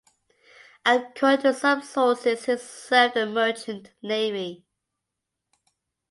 According to some sources he served in the merchant navy.